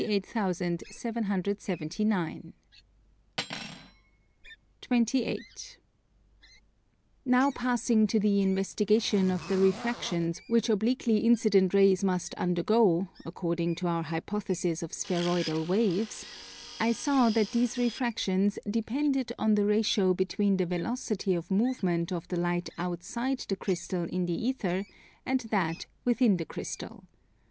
28. Now passing to the investigation of the refractions which obliquely incident rays must undergo, according to our hypothesis of spheroidal waves, I saw that these refractions depended on the ratio between the velocity of movement of the light outside the crystal in the ether, and that within the crystal.